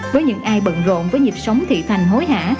với những ai bận rộn với nhịp sống thị thành hối hả